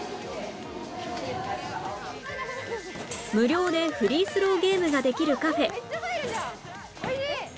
無料でフリースローゲームができるカフェ